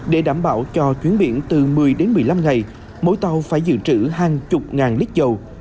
để đảm bảo cho chuyến biển từ một mươi đến một mươi năm ngày mỗi tàu phải dự trữ hàng chục ngàn lít dầu